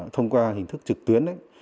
thông qua hình thức trực tuyến